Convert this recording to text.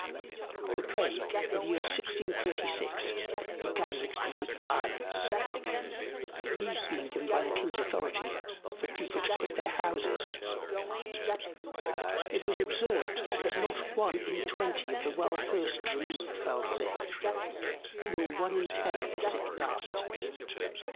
The Plague in the Year 1636 began with great Violence, but Leave being given by the King's Authority for People to quit their Houses; it was observed, That not one in twenty of the well Persons removed fell Sick, nor one in ten of the Sick dyed.